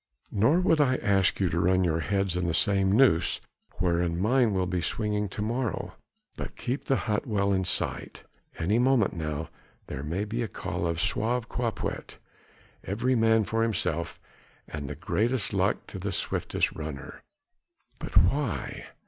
"Nor would I ask you to run your heads in the same noose wherein mine will swing to morrow. But keep the hut well in sight. At any hour any moment now there may be a call of sauve qui peut. Every man for himself and the greatest luck to the swiftest runner." "But why?"